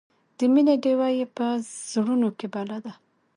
د مینې ډیوه یې په زړونو کې بله ده.